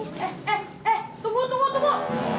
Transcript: eh eh eh tunggu tunggu tunggu